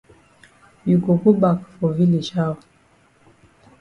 You go go bak for village how?